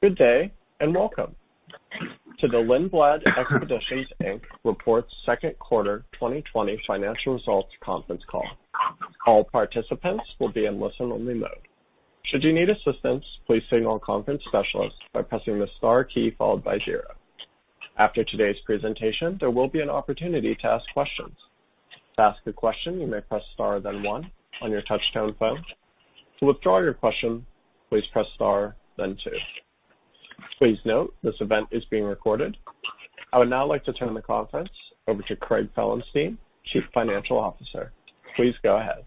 Good day, and welcome to the Lindblad Expeditions, Inc. Reports Second Quarter 2020 Financial Results Conference Call. All participants will be in listen-only mode. Should you need assistance, please signal a conference specialist by pressing the star key followed by zero. After today's presentation, there will be an opportunity to ask questions. To ask a question, you may press star then one on your touchtone phone. To withdraw your question, please press star then two. Please note, this event is being recorded. I would now like to turn the conference over to Craig Felenstein, Chief Financial Officer. Please go ahead.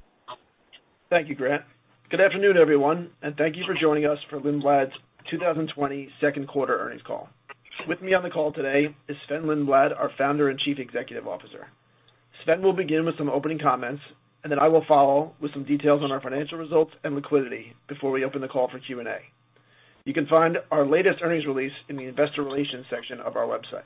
Thank you, Brent. Good afternoon, everyone, and thank you for joining us for Lindblad's 2020 Second Quarter Earnings Call. With me on the call today is Sven Lindblad, our Founder and Chief Executive Officer. Sven will begin with some opening comments, and then I will follow with some details on our financial results and liquidity before we open the call for Q&A. You can find our latest earnings release in the investor relations section of our website.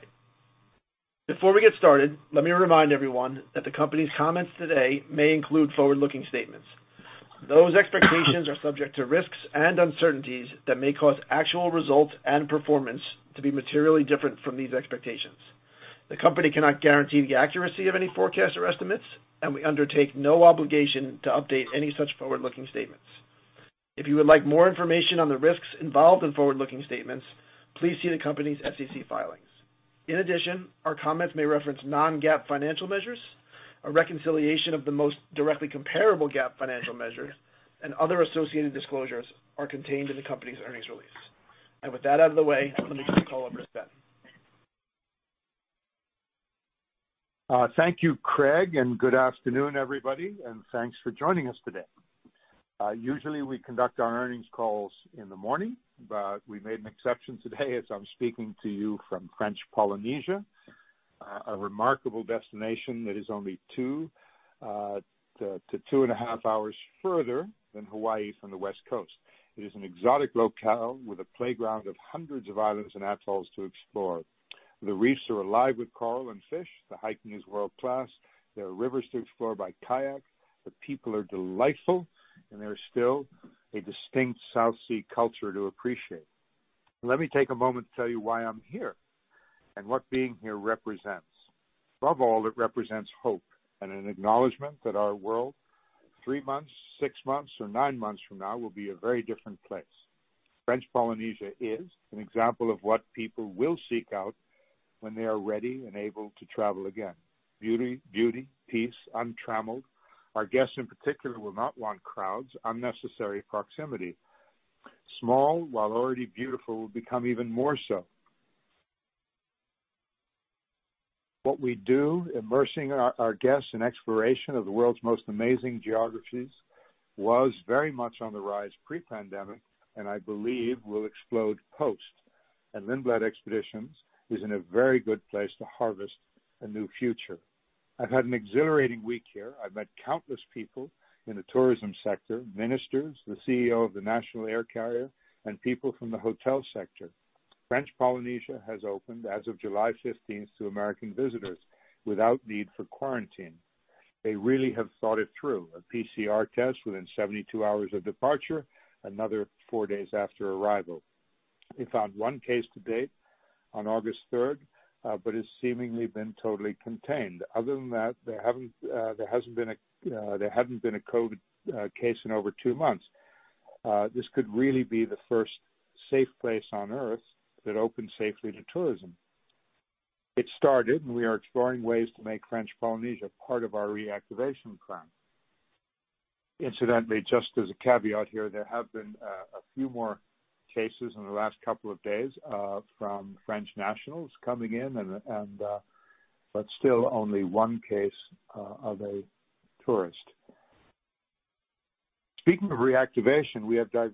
Before we get started, let me remind everyone that the company's comments today may include forward-looking statements. Those expectations are subject to risks and uncertainties that may cause actual results and performance to be materially different from these expectations. The company cannot guarantee the accuracy of any forecasts or estimates, and we undertake no obligation to update any such forward-looking statements. If you would like more information on the risks involved in forward-looking statements, please see the company's SEC filings. In addition, our comments may reference non-GAAP financial measures. A reconciliation of the most directly comparable GAAP financial measures and other associated disclosures are contained in the company's earnings release. With that out of the way, let me turn the call over to Sven. Thank you, Craig, and good afternoon, everybody, and thanks for joining us today. Usually, we conduct our earnings calls in the morning, but we made an exception today as I'm speaking to you from French Polynesia, a remarkable destination that is only two—2.5 hours further than Hawaii from the West Coast. It is an exotic locale with a playground of hundreds of islands and atolls to explore. The reefs are alive with coral and fish. The hiking is world-class. There are rivers to explore by kayak. The people are delightful, and there is still a distinct South Sea culture to appreciate. Let me take a moment to tell you why I'm here and what being here represents. Above all, it represents hope and an acknowledgment that our world, three months, six months, or nine months from now, will be a very different place. French Polynesia is an example of what people will seek out when they are ready and able to travel again. Beauty, peace, untrammeled. Our guests, in particular, will not want crowds, unnecessary proximity. Small, while already beautiful, will become even more so. What we do, immersing our guests in exploration of the world's most amazing geographies, was very much on the rise pre-pandemic, I believe will explode post. Lindblad Expeditions is in a very good place to harvest a new future. I've had an exhilarating week here. I've met countless people in the tourism sector, ministers, the CEO of the national air carrier, and people from the hotel sector. French Polynesia has opened as of July 15th to American visitors without need for quarantine. They really have thought it through. A PCR test within 72 hours of departure, another four days after arrival. They found one case to date on August 3rd, but it's seemingly been totally contained. Other than that, there hasn't been a COVID case in over two months. This could really be the first safe place on Earth that opened safely to tourism. It started, and we are exploring ways to make French Polynesia part of our reactivation plan. Incidentally, just as a caveat here, there have been a few more cases in the last couple of days from French nationals coming in, but still only one case of a tourist. Speaking of reactivation, we have a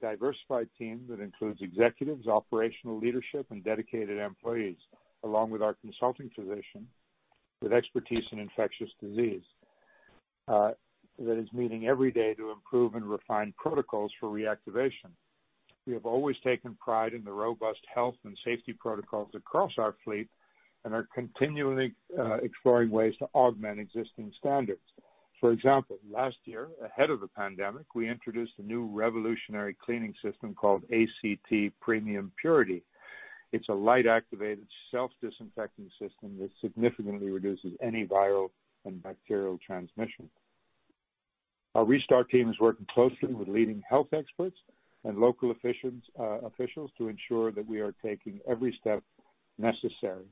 diversified team that includes executives, operational leadership, and dedicated employees, along with our consulting physician with expertise in infectious disease, that is meeting every day to improve and refine protocols for reactivation. We have always taken pride in the robust health and safety protocols across our fleet and are continually exploring ways to augment existing standards. For example, last year, ahead of the pandemic, we introduced a new revolutionary cleaning system called Premium Purity. It's a light-activated self-disinfecting system that significantly reduces any viral and bacterial transmission. Our restart team is working closely with leading health experts and local officials to ensure that we are taking every step necessary.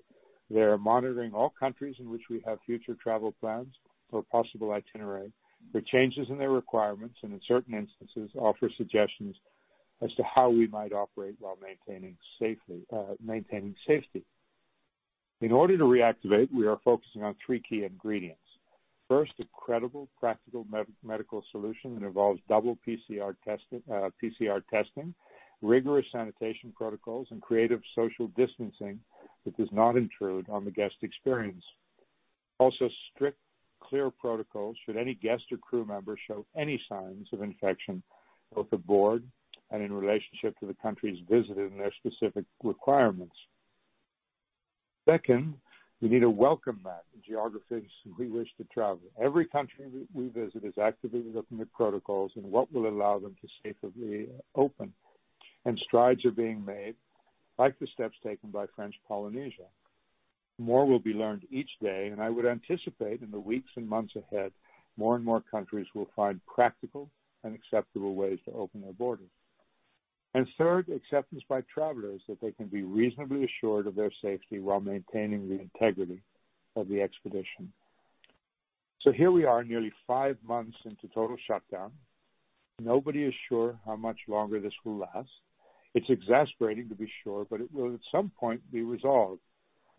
They are monitoring all countries in which we have future travel plans for possible itineraries for changes in their requirements and, in certain instances, offer suggestions as to how we might operate while maintaining safety. In order to reactivate, we are focusing on three key ingredients. First, a credible, practical medical solution that involves double PCR testing, rigorous sanitation protocols, and creative social distancing that does not intrude on the guest experience. Also, strict, clear protocols should any guest or crew member show any signs of infection, both aboard and in relationship to the countries visited and their specific requirements. Second, we need to welcome that in geographies we wish to travel. Every country we visit is actively looking at protocols and what will allow them to safely open. And strides are being made, like the steps taken by French Polynesia. More will be learned each day, and I would anticipate in the weeks and months ahead, more and more countries will find practical and acceptable ways to open their borders. And third, acceptance by travelers that they can be reasonably assured of their safety while maintaining the integrity of the expedition. Here we are, nearly five months into total shutdown. Nobody is sure how much longer this will last. It's exasperating, to be sure, but it will, at some point, be resolved.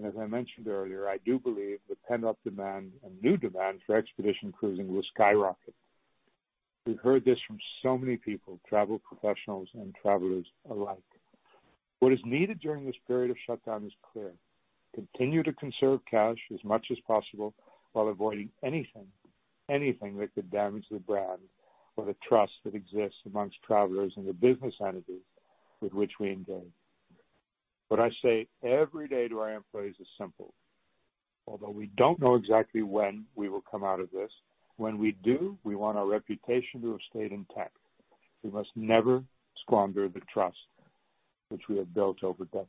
As I mentioned earlier, I do believe the pent-up demand and new demand for expedition cruising will skyrocket. We've heard this from so many people, travel professionals and travelers alike. What is needed during this period of shutdown is clear. Continue to conserve cash as much as possible while avoiding anything that could damage the brand or the trust that exists amongst travelers and the business entities with which we engage. What I say every day to our employees is simple. Although we don't know exactly when we will come out of this, when we do, we want our reputation to have stayed intact. We must never squander the trust which we have built over decades.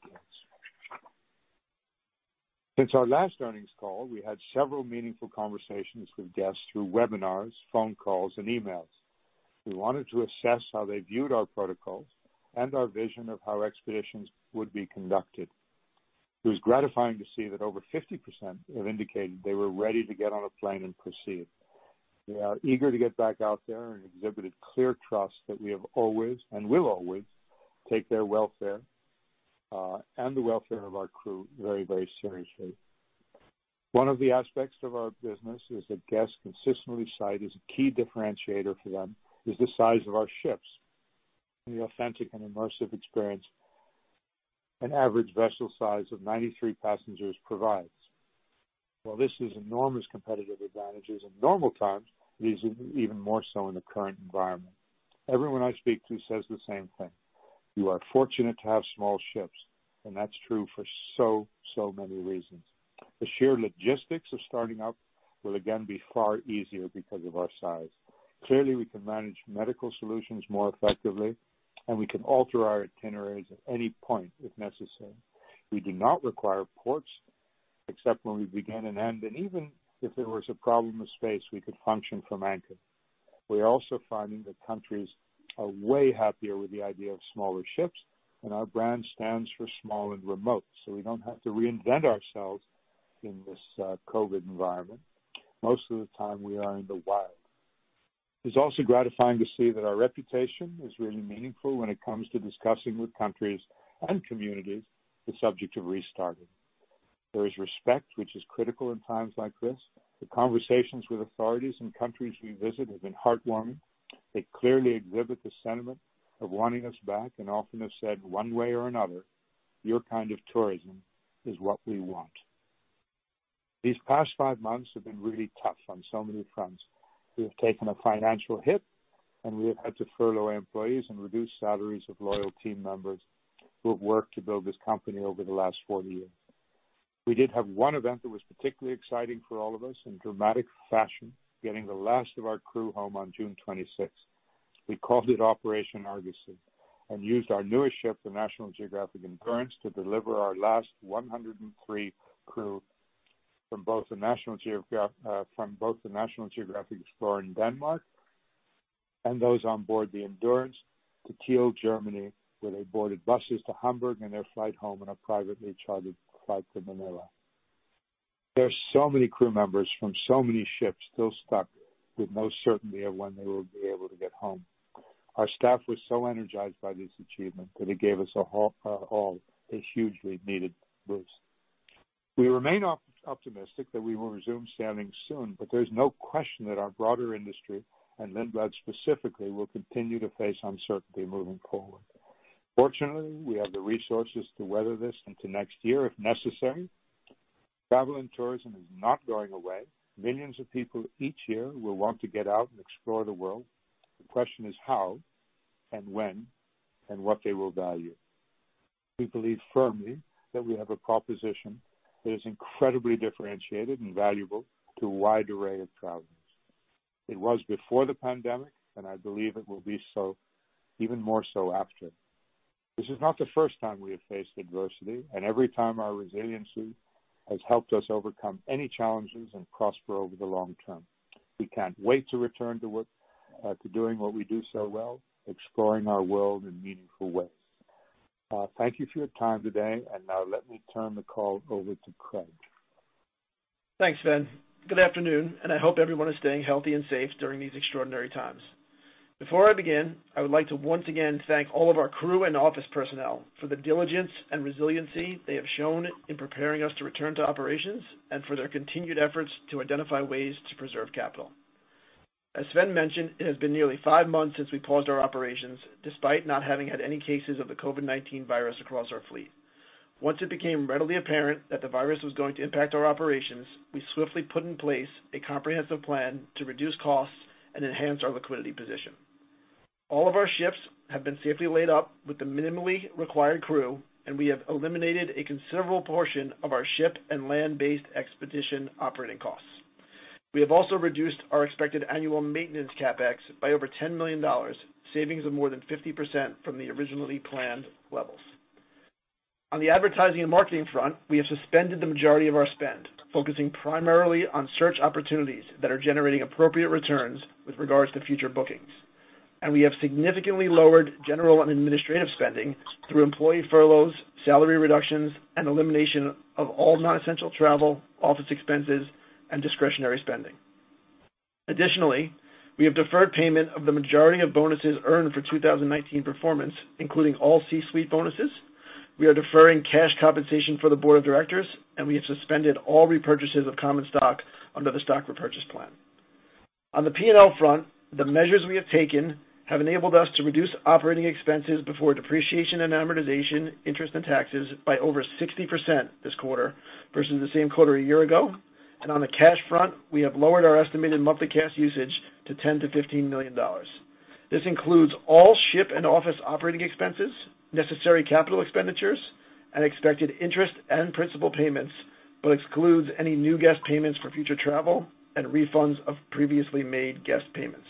Since our last earnings call, we had several meaningful conversations with guests through webinars, phone calls, and emails. We wanted to assess how they viewed our protocols and our vision of how expeditions would be conducted. It was gratifying to see that over 50% have indicated they were ready to get on a plane and proceed. They are eager to get back out there and exhibited clear trust that we have always, and will always, take their welfare, and the welfare of our crew very, very seriously. One of the aspects of our business is that guests consistently cite as a key differentiator for them is the size of our ships and the authentic and immersive experience an average vessel size of 93 passengers provides. While this is enormous competitive advantages in normal times, it is even more so in the current environment. Everyone I speak to says the same thing. "You are fortunate to have small ships," and that's true for so many reasons. The sheer logistics of starting up will again be far easier because of our size. Clearly, we can manage medical solutions more effectively, and we can alter our itineraries at any point if necessary. We do not require ports except when we begin and end. Even if there was a problem with space, we could function from anchor. We are also finding that countries are way happier with the idea of smaller ships, and our brand stands for small and remote, so we don't have to reinvent ourselves in this COVID environment. Most of the time we are in the wild. It's also gratifying to see that our reputation is really meaningful when it comes to discussing with countries and communities the subject of restarting. There is respect, which is critical in times like this. The conversations with authorities in countries we visit have been heartwarming. They clearly exhibit the sentiment of wanting us back and often have said, "One way or another, your kind of tourism is what we want." These past five months have been really tough on so many fronts. We have taken a financial hit, and we have had to furlough employees and reduce salaries of loyal team members who have worked to build this company over the last 40 years. We did have one event that was particularly exciting for all of us in dramatic fashion, getting the last of our crew home on June 26th. We called it Operation Argosy and used our newest ship, the National Geographic Endurance, to deliver our last 103 crew from both the National Geographic Explorer in Denmark and those on board the Endurance to Kiel, Germany, where they boarded buses to Hamburg and their flight home on a privately chartered flight to Manila. There are so many crew members from so many ships still stuck with no certainty of when they will be able to get home. Our staff was so energized by this achievement that it gave us all a hugely needed boost. We remain optimistic that we will resume sailing soon. There's no question that our broader industry, and Lindblad specifically, will continue to face uncertainty moving forward. Fortunately, we have the resources to weather this into next year if necessary. Travel and tourism is not going away. Millions of people each year will want to get out and explore the world. The question is how and when, and what they will value. We believe firmly that we have a proposition that is incredibly differentiated and valuable to a wide array of travelers. It was before the pandemic. I believe it will be even more so after. This is not the first time we have faced adversity, and every time our resiliency has helped us overcome any challenges and prosper over the long term. We can't wait to return to doing what we do so well, exploring our world in meaningful ways. Thank you for your time today, and now let me turn the call over to Craig. Thanks, Sven. Good afternoon. I hope everyone is staying healthy and safe during these extraordinary times. Before I begin, I would like to once again thank all of our crew and office personnel for the diligence and resiliency they have shown in preparing us to return to operations and for their continued efforts to identify ways to preserve capital. As Sven mentioned, it has been nearly five months since we paused our operations, despite not having had any cases of the COVID-19 virus across our fleet. Once it became readily apparent that the virus was going to impact our operations, we swiftly put in place a comprehensive plan to reduce costs and enhance our liquidity position. All of our ships have been safely laid up with the minimally required crew. We have eliminated a considerable portion of our ship and land-based expedition operating costs. We have also reduced our expected annual maintenance CapEx by over $10 million, savings of more than 50% from the originally planned levels. On the advertising and marketing front, we have suspended the majority of our spend, focusing primarily on search opportunities that are generating appropriate returns with regards to future bookings. We have significantly lowered general and administrative spending through employee furloughs, salary reductions, and elimination of all non-essential travel, office expenses, and discretionary spending. Additionally, we have deferred payment of the majority of bonuses earned for 2019 performance, including all C-suite bonuses. We are deferring cash compensation for the Board of Directors, and we have suspended all repurchases of common stock under the stock repurchase plan. On the P&L front, the measures we have taken have enabled us to reduce operating expenses before depreciation and amortization, interest, and taxes by over 60% this quarter versus the same quarter a year ago. On the cash front, we have lowered our estimated monthly cash usage to $10 million-15 million. This includes all ship and office operating expenses, necessary capital expenditures, and expected interest and principal payments, but excludes any new guest payments for future travel and refunds of previously made guest payments.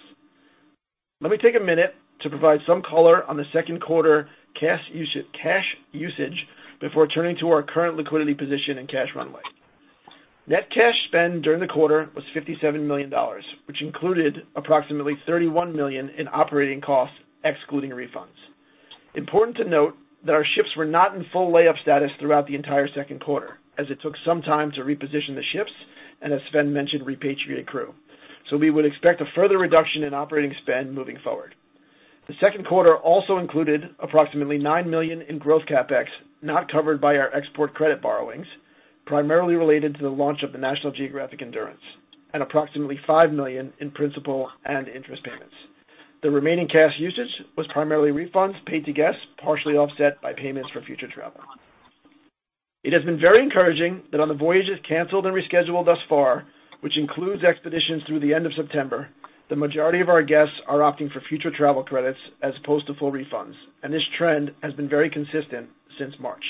Let me take a minute to provide some color on the second quarter cash usage before turning to our current liquidity position and cash runway. Net cash spend during the quarter was $57 million, which included approximately $31 million in operating costs, excluding refunds. Important to note that our ships were not in full layup status throughout the entire second quarter, as it took some time to reposition the ships, and as Sven mentioned, repatriate crew. We would expect a further reduction in operating spend moving forward. The second quarter also included approximately $9 million in growth CapEx, not covered by our export credit borrowings, primarily related to the launch of the National Geographic Endurance, and approximately $5 million in principal and interest payments. The remaining cash usage was primarily refunds paid to guests, partially offset by payments for future travel. It has been very encouraging that on the voyages canceled and rescheduled thus far, which includes expeditions through the end of September, the majority of our guests are opting for future travel credits as opposed to full refunds, and this trend has been very consistent since March.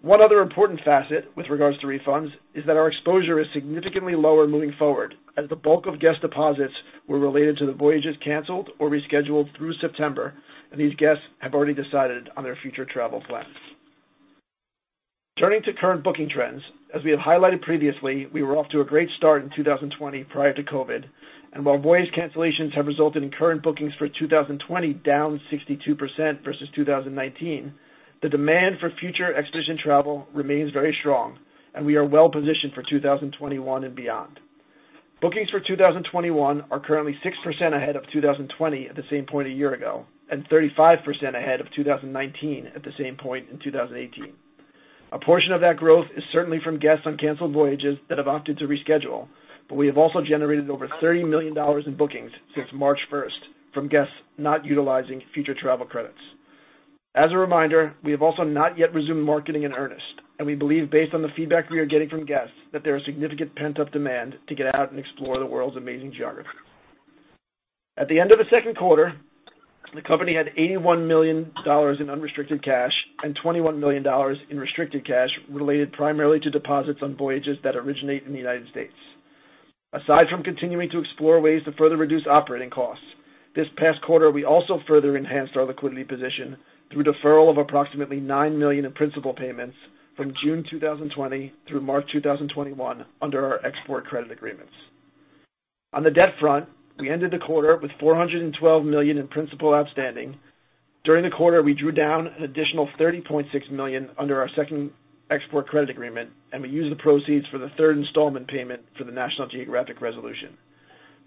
One other important facet with regards to refunds is that our exposure is significantly lower moving forward, as the bulk of guest deposits were related to the voyages canceled or rescheduled through September, and these guests have already decided on their future travel plans. Turning to current booking trends, as we have highlighted previously, we were off to a great start in 2020 prior to COVID, and while voyage cancellations have resulted in current bookings for 2020 down 62% versus 2019, the demand for future expedition travel remains very strong, and we are well-positioned for 2021 and beyond. Bookings for 2021 are currently 6% ahead of 2020 at the same point a year ago, and 35% ahead of 2019 at the same point in 2018. A portion of that growth is certainly from guests on canceled voyages that have opted to reschedule, but we have also generated over $30 million in bookings since March 1st from guests not utilizing future travel credits. As a reminder, we have also not yet resumed marketing in earnest, and we believe based on the feedback we are getting from guests that there is significant pent-up demand to get out and explore the world's amazing geography. At the end of the second quarter, the company had $81 million in unrestricted cash and $21 million in restricted cash related primarily to deposits on voyages that originate in the United States. Aside from continuing to explore ways to further reduce operating costs, this past quarter, we also further enhanced our liquidity position through deferral of approximately $9 million in principal payments from June 2020 through March 2021 under our export credit agreements. On the debt front, we ended the quarter with $412 million in principal outstanding. During the quarter, we drew down an additional $30.6 million under our second export credit agreement, and we used the proceeds for the third installment payment for the National Geographic Resolution.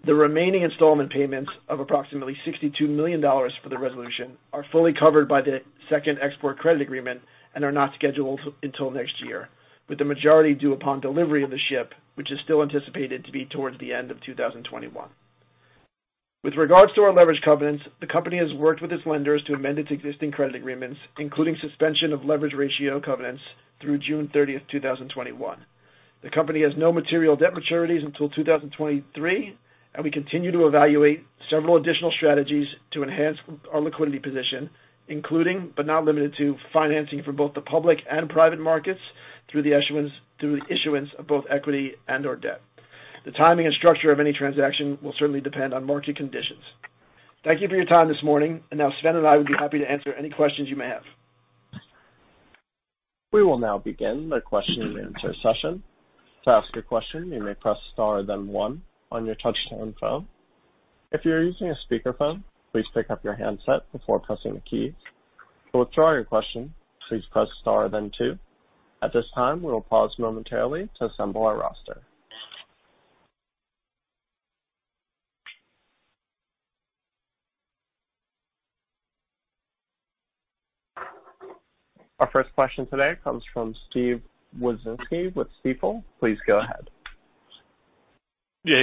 The remaining installment payments of approximately $62 million for the Resolution are fully covered by the second export credit agreement and are not scheduled until next year, with the majority due upon delivery of the ship, which is still anticipated to be towards the end of 2021. With regards to our leverage covenants, the company has worked with its lenders to amend its existing credit agreements, including suspension of leverage ratio covenants through June 30th, 2021. The company has no material debt maturities until 2023, and we continue to evaluate several additional strategies to enhance our liquidity position, including, but not limited to, financing for both the public and private markets through the issuance of both equity and/or debt. The timing and structure of any transaction will certainly depend on market conditions. Thank you for your time this morning, and now Sven and I would be happy to answer any questions you may have. We will now begin the question and answer session. To ask a question, you may press star then one on your touch-tone phone. If you are using a speakerphone, please pick up your handset before pressing key. To withdraw your question, please press star then two. At this time, we will pause momentarily to assemble our roster. Our first question today comes from Steve Wieczynski with Stifel. Please go ahead. First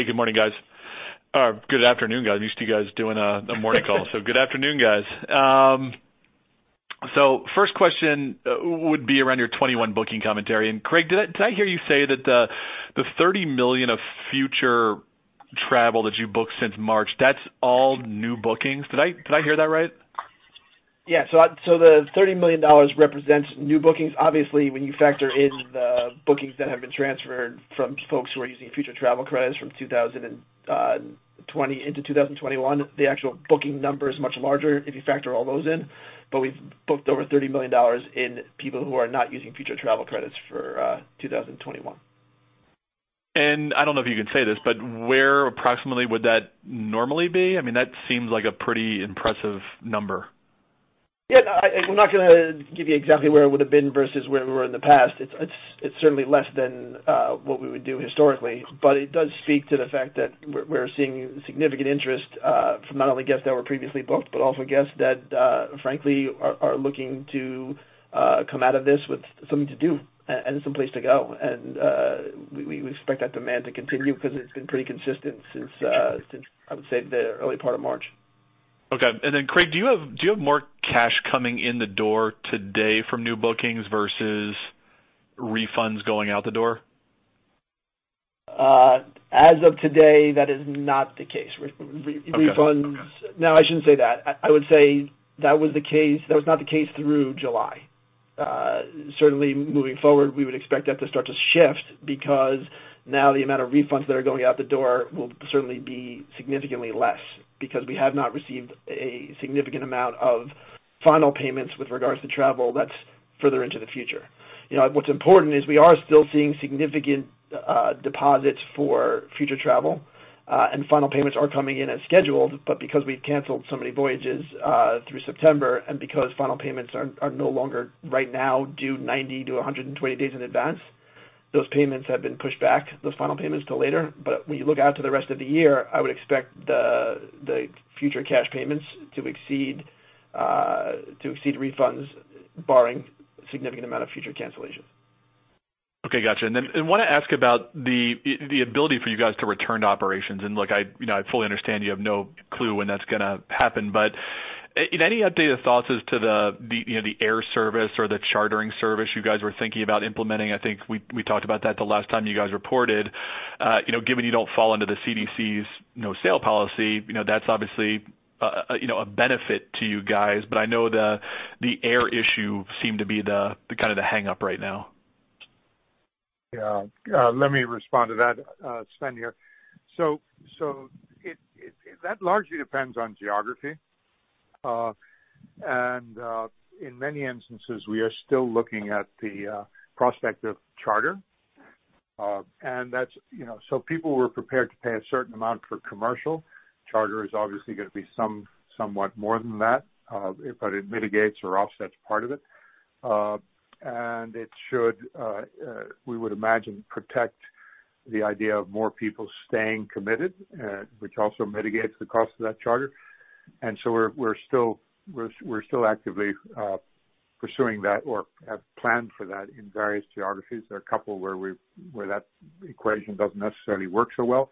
question would be around your 2021 booking commentary. Craig, did I hear you say that the $30 million of future travel that you booked since March, that's all new bookings? Did I hear that right? Yeah. The $30 million represents new bookings. Obviously, when you factor in the bookings that have been transferred from folks who are using future travel credits from 2020 into 2021, the actual booking number is much larger if you factor all those in. We've booked over $30 million in people who are not using future travel credits for 2021. I don't know if you can say this, but where approximately would that normally be? That seems like a pretty impressive number. Yeah. I'm not going to give you exactly where it would've been versus where we were in the past. It's.. It's certainly less than what we would do historically, but it does speak to the fact that we're seeing significant interest from not only guests that were previously booked, but also guests that, frankly, are looking to come out of this with something to do and some place to go. And we expect that demand to continue because it's been pretty consistent since, I would say, the early part of March. Okay. Craig, do you have more cash coming in the door today from new bookings versus refunds going out the door? As of today, that is not the case. Okay. No, I shouldn't say that. I would say that was not the case through July. Certainly, moving forward, we would expect that to start to shift, because now the amount of refunds that are going out the door will certainly be significantly less because we have not received a significant amount of final payments with regards to travel that's further into the future. You know, what's important is we are still seeing significant deposits for future travel, and final payments are coming in as scheduled. But because we've canceled so many voyages through September, and because final payments are no longer, right now, due 90 to 120 days in advance, those payments have been pushed back, those final payments, till later. When you look out to the rest of the year, I would expect the future cash payments to exceed refunds, barring significant amount of future cancellations. Okay, got you. I want to ask about the ability for you guys to return to operations. Look, I fully understand you have no clue when that's going to happen, but any updated thoughts as to the air service or the chartering service you guys were thinking about implementing? I think we talked about that the last time you guys reported. Given you don't fall under the CDC's No Sail Policy, and that's obviously a benefit to you guys. I know the air issue seemed to be the hang-up right now. Yeah. Let me respond to that. Sven here. That largely depends on geography. In many instances, we are still looking at the prospect of charter. And that's, you know, so people were prepared to pay a certain amount for commercial. Charter is obviously going to be somewhat more than that, but it mitigates or offsets part of it. It should, we would imagine, protect the idea of more people staying committed, which also mitigates the cost of that charter. And we're still actively pursuing that or have planned for that in various geographies. There are a couple where that equation doesn't necessarily work so well.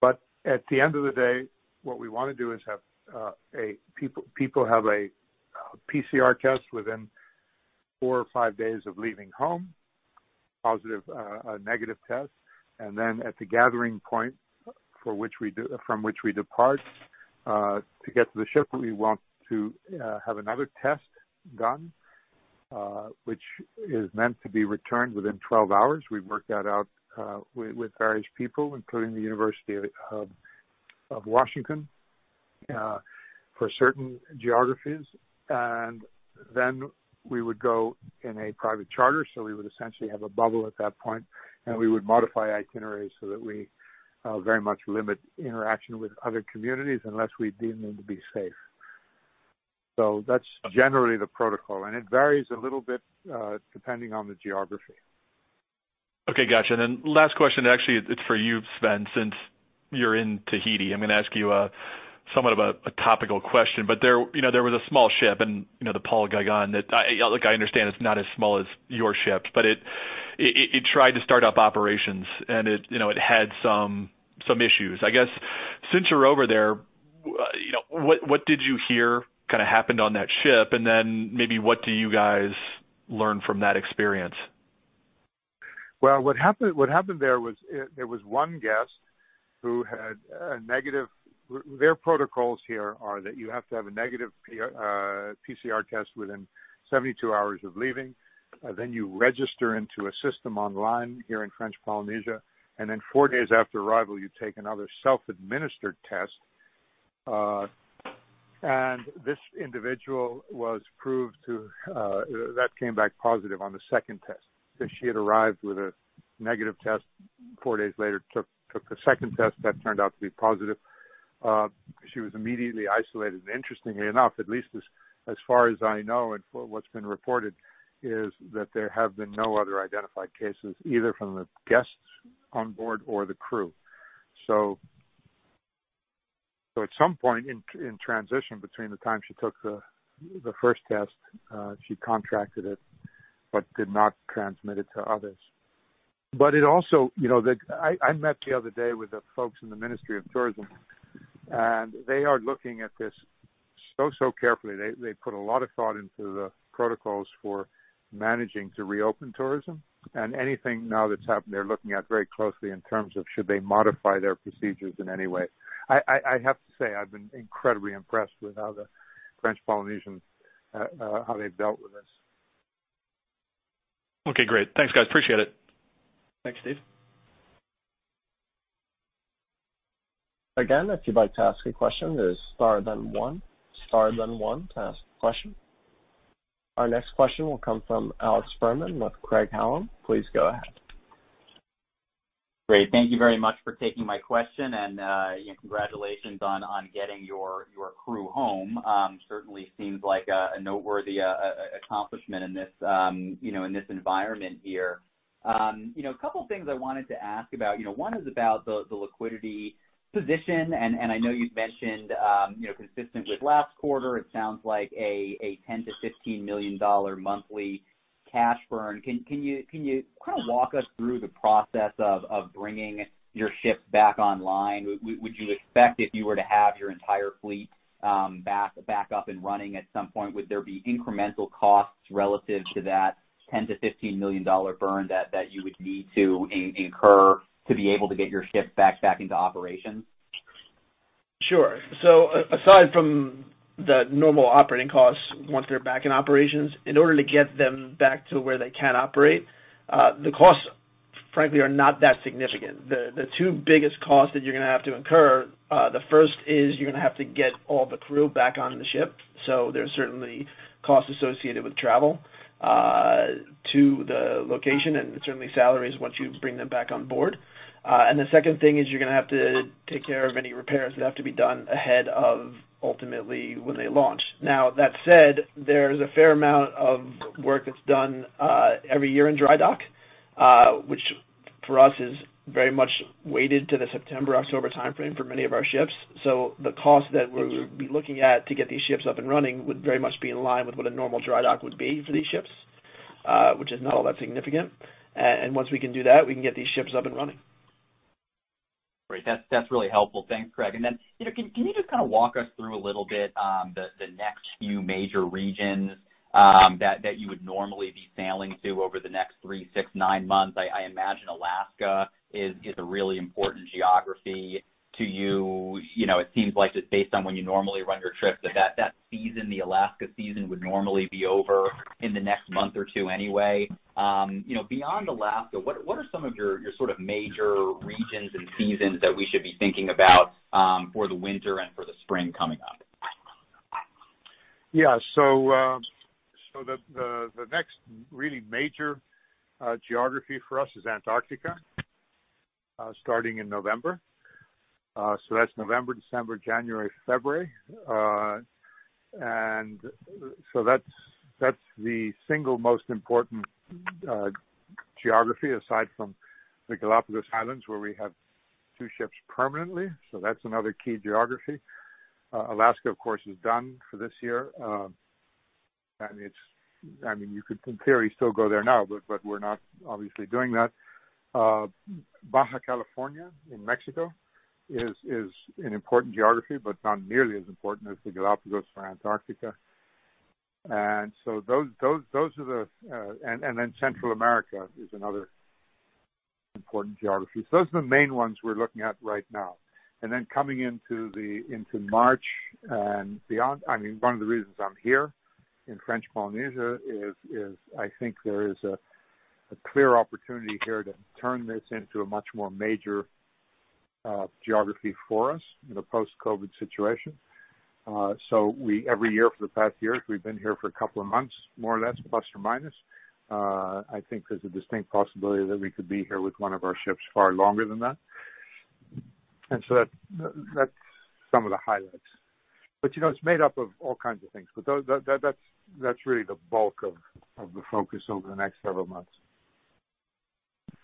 But at the end of the day, what we want to do is have people have a PCR test within four or five days of leaving home, a negative test, and then at the gathering point from which we depart, to get to the ship, we want to have another test done, which is meant to be returned within 12 hours. We've worked that out with various people, including the University of Washington, for certain geographies. Then we would go in a private charter, we would essentially have a bubble at that point, we would modify itineraries so that we very much limit interaction with other communities unless we deem them to be safe. That's generally the protocol, it varies a little bit, depending on the geography. Okay. Gotcha. Last question, actually, it's for you, Sven, since you're in Tahiti. I'm going to ask you somewhat of a topical question. There was a small ship and, the Paul Gauguin, look, I understand it's not as small as your ships, but it tried to start up operations and it had some issues. I guess, since you're over there, what did you hear happened on that ship? Maybe what do you guys learn from that experience? Well, what happened there was, there was one guest who had a negative PCR test within 72 hours of leaving, and then you register into a system online here in French Polynesia, and then four days after arrival, you take another self-administered test. This individual was prove—that came back positive on the second test, she had arrived with a negative test, four days later, took the second test, that turned out to be positive. She was immediately isolated. Interestingly enough, at least as far as I know and for what's been reported, is that there have been no other identified cases, either from the guests on board or the crew. At some point in transition between the time she took the first test, she contracted it but did not transmit it to others. But it also, you know that, I met the other day with the folks in the Ministry of Tourism, and they are looking at this so carefully. They put a lot of thought into the protocols for managing to reopen tourism. Anything now that's happened, they're looking at very closely in terms of should they modify their procedures in any way. I have to say, I've been incredibly impressed with how the French Polynesians, how they've dealt with this. Okay, great. Thanks, guys. Appreciate it. Thanks, Steve. Again, if you'd like to ask a question, it is star then one. Star then one to ask a question. Our next question will come from Alex Fuhrman with Craig-Hallum. Please go ahead. Great. Thank you very much for taking my question, and congratulations on getting your crew home. Certainly seems like a noteworthy accomplishment in this environment here. A couple of things I wanted to ask about. One is about the liquidity position, and I know you've mentioned, consistent with last quarter, it sounds like a $10 million-15 million monthly cash burn. Can you walk us through the process of bringing your ships back online? Would you expect if you were to have your entire fleet back up and running at some point, would there be incremental costs relative to that $10 million-15 million burn that you would need to incur to be able to get your ships back into operation? Sure. Aside from the normal operating costs, once they're back in operations, in order to get them back to where they can operate, the costs, frankly, are not that significant. The two biggest costs that you're going to have to incur, the first is you're going to have to get all the crew back on the ship, so there's certainly costs associated with travel to the location, and certainly salaries once you bring them back on board. And the second thing is you're going to have to take care of any repairs that have to be done ahead of ultimately when they launch. Now, that said, there's a fair amount of work that's done every year in dry dock, which for us is very much weighted to the September-October timeframe for many of our ships. So the cost that we would be looking at to get these ships up and running would very much be in line with what a normal dry dock would be for these ships, which is not all that significant. Once we can do that, we can get these ships up and running. Great. That's really helpful. Thanks, Craig. And then, can you just walk us through a little bit the next few major regions that you would normally be sailing to over the next three, six, nine months? I imagine Alaska is a really important geography to you. It seems like that based on when you normally run your trips, that that season, the Alaska season, would normally be over in the next month or two anyway. Beyond Alaska, what are some of your major regions and seasons that we should be thinking about for the winter and for the spring coming up? Yeah. The next really major geography for us is Antarctica, starting in November. That's November, December, January, February. That's the single most important geography aside from the Galápagos Islands, where we have two ships permanently, so that's another key geography. Alaska, of course, is done for this year. You could, in theory, still go there now, but we're not obviously doing that. Baja California in Mexico is an important geography, but not nearly as important as the Galápagos or Antarctica. Central America is another important geography. Those are the main ones we're looking at right now. Coming into March and beyond, one of the reasons I'm here in French Polynesia is I think there is a clear opportunity here to turn this into a much more major geography for us in a post-COVID situation. Every year for the past years, we've been here for a couple of months, more or less, plus or minus. I think there's a distinct possibility that we could be here with one of our ships far longer than that. That's some of the highlights. It's made up of all kinds of things, but that's really the bulk of the focus over the next several months.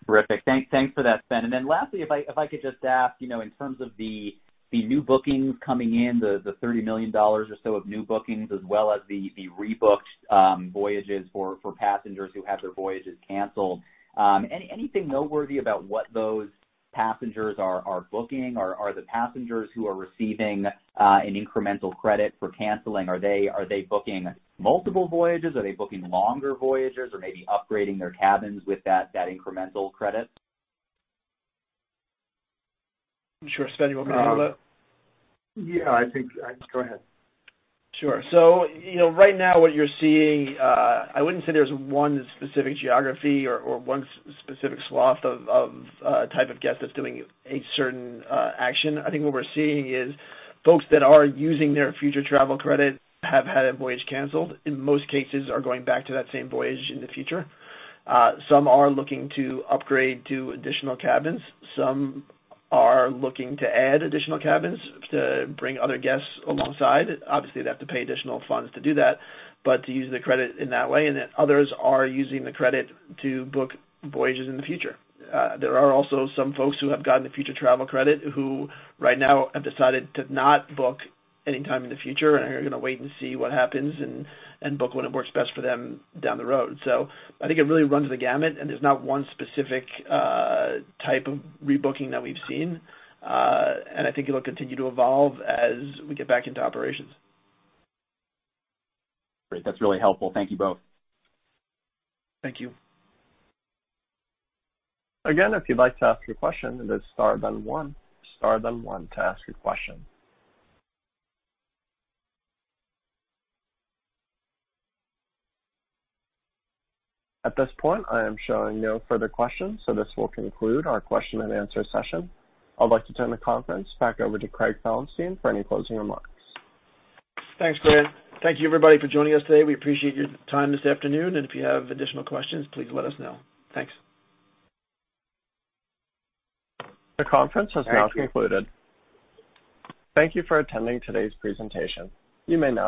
Terrific. Thanks for that, Sven. Lastly, if I could just ask, in terms of the new bookings coming in, the $30 million or so of new bookings, as well as the rebooked voyages for passengers who had their voyages canceled. Anything noteworthy about what those passengers are booking? Are the passengers who are receiving an incremental credit for canceling, are they booking multiple voyages? Are they booking longer voyages or maybe upgrading their cabins with that incremental credit? I'm sure, Sven, you want me to handle that? Yeah, I think, go ahead. Sure. Right now what you're seeing, I wouldn't say there's one specific geography or one specific swath of type of guest that's doing a certain action. I think what we're seeing is folks that are using their future travel credit have had a voyage canceled, in most cases are going back to that same voyage in the future. Some are looking to upgrade to additional cabins. Some are looking to add additional cabins to bring other guests alongside. Obviously, they'd have to pay additional funds to do that, but to use the credit in that way. Others are using the credit to book voyages in the future. There are also some folks who have gotten the future travel credit who right now have decided to not book any time in the future and are going to wait and see what happens and book when it works best for them down the road. I think it really runs the gamut, and there's not one specific type of rebooking that we've seen. I think it'll continue to evolve as we get back into operations. Great. That's really helpful. Thank you both. Thank you. Again, if you'd like to ask a question, it is star then one. Star then one to ask a question. At this point, I am showing no further questions. This will conclude our question and answer session. I'd like to turn the conference back over to Craig Felenstein for any closing remarks. Thanks, Brent. Thank you, everybody, for joining us today. We appreciate your time this afternoon, and if you have additional questions, please let us know. Thanks. The conference has now concluded. Thank you for attending today's presentation. You may now disconnect.